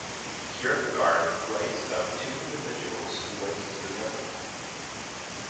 Kierkegaard writes about two individuals who went to the temple.